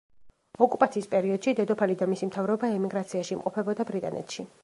ოკუპაციის პერიოდში დედოფალი და მისი მთავრობა ემიგრაციაში იმყოფებოდა ბრიტანეთში.